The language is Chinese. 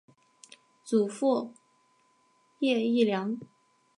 祖父叶益良。